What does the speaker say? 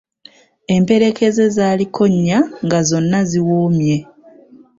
Emperekeze zaaliko nnya nga zonna ziwoomye.